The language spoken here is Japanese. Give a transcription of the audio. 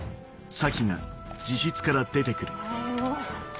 おはよう。